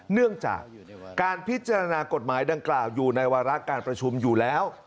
เนื่องจากการพิจารณากฎหมายดังกล่าวอยู่ในวาระการประชุมอยู่แล้ว